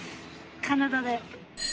カナダで。